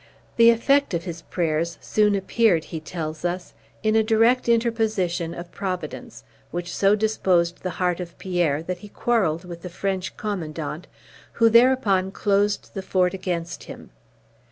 The effect of his prayers soon appeared, he tells us, in a direct interposition of Providence, which so disposed the heart of Pierre that he quarrelled with the French commandant, who thereupon closed the fort against him.